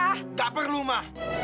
nggak perlu ma